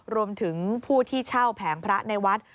รวมถึงผู้ที่เช่าแผงพระในวัด